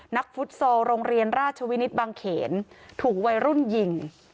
ฟุตซอลโรงเรียนราชวินิตบางเขนถูกวัยรุ่นยิง